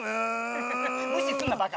無視すんなバカ！